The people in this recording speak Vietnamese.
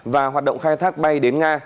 và hoạt động khai thác bay đến nga